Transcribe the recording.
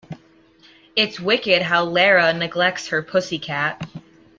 It's wicked how Lara neglects her pussy cat.